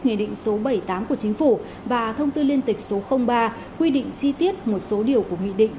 nghị định số bảy mươi tám của chính phủ và thông tư liên tịch số ba quy định chi tiết một số điều của nghị định